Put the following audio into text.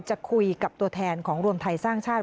จะคุยกับตัวแทนของรวมไทยสร้างชาติ